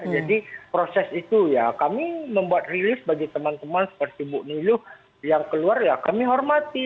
jadi proses itu ya kami membuat rilis bagi teman teman seperti bu nilu yang keluar ya kami hormati